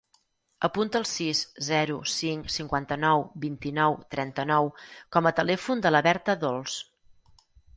Apunta el sis, zero, cinc, cinquanta-nou, vint-i-nou, trenta-nou com a telèfon de la Berta Dols.